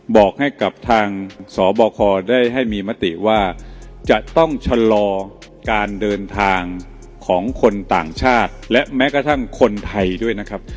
บอกให้กับทางสบคได้ให้มีมติว่าจะต้องชะลอการเดินทางของคนต่างชาติและแม้กระทั่งคนไทยด้วยนะครับ